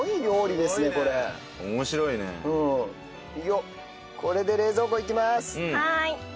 よっこれで冷蔵庫いきます。